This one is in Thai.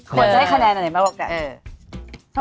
ขนจะให้คะแนนหน่อยยังไงบ้างว่าไก่